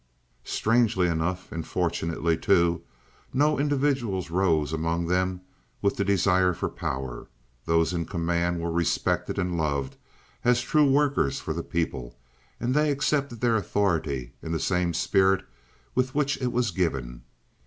"Strangely enough, and fortunately, too, no individuals rose among them with the desire for power. Those in command were respected and loved as true workers for the people, and they accepted their authority in the same spirit with which it was given.